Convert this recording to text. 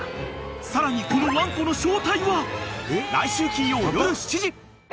［さらにこのわんこの正体は！？］［来週金曜夜７時］